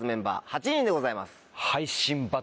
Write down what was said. はい。